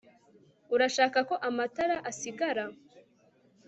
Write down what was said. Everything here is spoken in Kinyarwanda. Urashaka ko amatara asigara